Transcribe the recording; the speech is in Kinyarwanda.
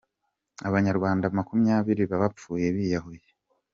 Abanyarwanda makumyabiri bapfuye biyahuye